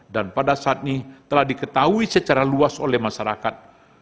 dan pada saat ini telah diketahui secara luas oleh masyarakat